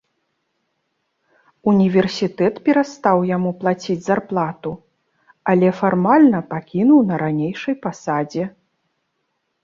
Універсітэт перастаў яму плаціць зарплату, але фармальна пакінуў на ранейшай пасадзе.